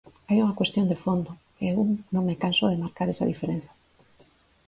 Hai unha cuestión de fondo, e eu non me canso de marcar esa diferenza.